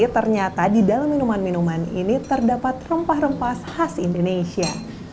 ternyata di dalam minuman minuman ini terdapat rempah rempah khas indonesia